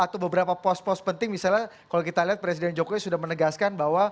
mungkin saya akan menemukan